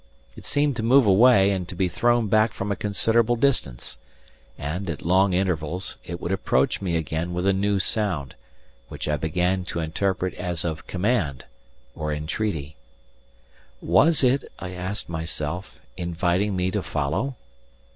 It seemed to move away and to be thrown back from a considerable distance; and, at long intervals, it would approach me again with a new sound, which I began to interpret as of command, or entreaty. Was it, I asked myself, inviting me to follow?